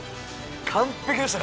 完璧でしたね。